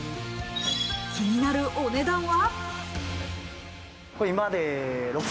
気になるお値段は。